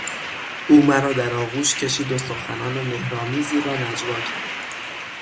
او مرا در آغوش کشید و سخنان مهرآمیزی را نجوا کرد.